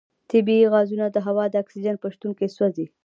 طبیعي غازونه د هوا د اکسیجن په شتون کې سوځي.